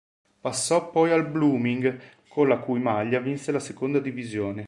Passò poi al Blooming, con la cui maglia vinse la seconda divisione.